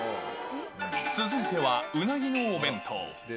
続いてはうなぎのお弁当。